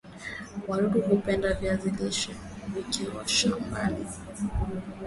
wadudu hupenda viazi lishe vikiwa shamban